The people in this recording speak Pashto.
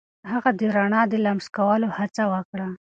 هغه د رڼا د لمس کولو هڅه وکړه.